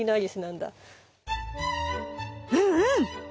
うんうん。